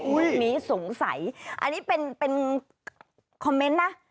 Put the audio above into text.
วันนี้สงสัยอันนี้เป็นคอมเมนต์นะ